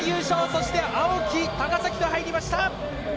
そして青木、高崎と入りました！